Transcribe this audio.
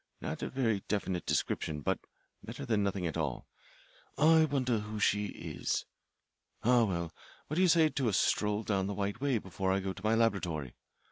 Not a very definite description, but better than nothing at all. I wonder who she is. Ah, well, what do you say to a stroll down the White Way before I go to my laboratory?